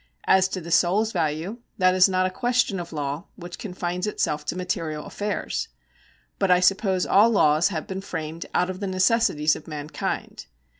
As to the soul's value, that is not a question of law, which confines itself to material affairs. But I suppose all laws have been framed out of the necessities of mankind.